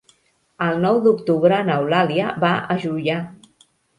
El nou d'octubre n'Eulàlia va a Juià.